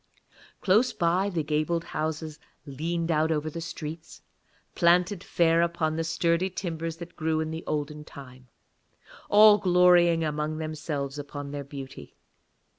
Close by, the gabled houses leaned out over the streets, planted fair upon sturdy timbers that grew in the olden time, all glorying among themselves upon their beauty.